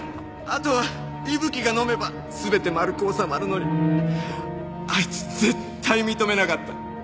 あとは伊吹がのめば全て丸く収まるのにあいつ絶対認めなかった。